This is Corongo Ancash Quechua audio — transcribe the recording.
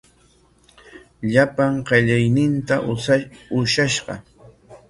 Llapan qillayninta ushashqa.